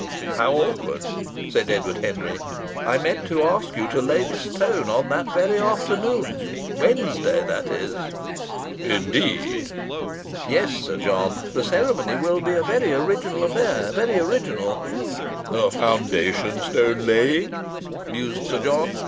"How awkward!" said Edward Henry. "I meant to ask you to lay the stone on the very next afternoon Wednesday, that is!" "Indeed!" "Yes, Sir John. The ceremony will be a very original affair very original!" "A foundation stone laying!" mused Sir John.